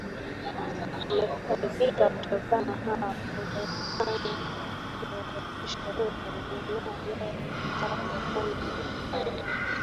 umefaidika kutokana hawa utakufanya uwarundishe huko ijumaa ijao ifikapo kumi na nane